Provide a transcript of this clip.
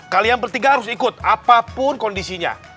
kalian bertiga harus ikut apapun kondisinya